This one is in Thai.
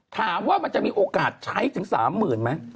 ถามว่ามันจะมีโอกาสใช้ถึง๓๐๐๐ไหม